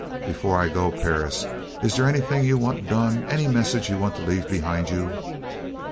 Before I go, Perris, is they anything you want done, any messages you want to leave behind you?"